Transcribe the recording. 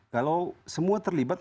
kalau semua terlibat